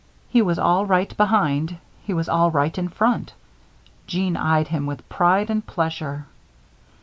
He was all right behind, he was all right in front. Jeanne eyed him with pride and pleasure.